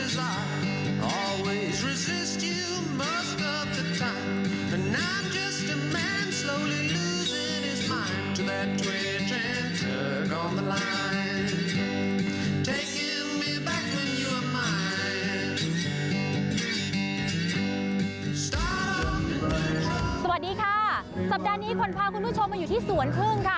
สวัสดีค่ะสัปดาห์นี้ขวัญพาคุณผู้ชมมาอยู่ที่สวนพึ่งค่ะ